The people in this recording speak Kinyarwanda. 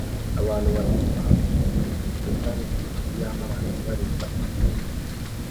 Abantu babiri bahagaze ku rutare hejuru y'amazi bareba ikintu